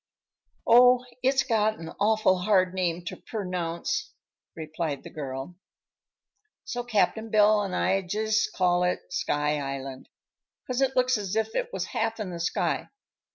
"Oh, it's got an awful hard name to pernounce," replied the girl, "so Cap'n Bill and I jus' call it 'Sky Island,' 'cause it looks as if it was half in the sky.